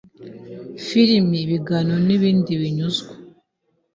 Filimi, ibiganiro n’ibindi binyuzwa